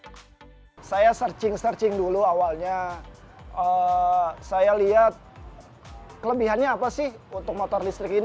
reza hafiz seorang pengemudi ojek daring yang sudah menjalani profesinya sejak tahun dua ribu lima belas